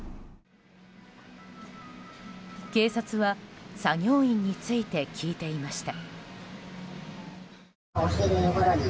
警察は作業員について聞いていました。